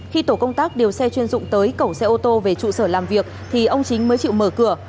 khi tổ công tác điều xe chuyên dụng tới cẩu xe ô tô về trụ sở làm việc thì ông chính mới chịu mở cửa